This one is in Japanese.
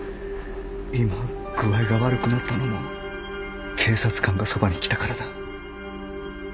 今具合が悪くなったのも警察官がそばに来たからだ。